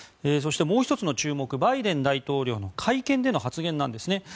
そして、もう１つの注目バイデン大統領の会見での発言です。